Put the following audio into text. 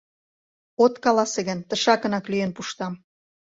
От каласе гын, тышакынак лӱен пуштам!..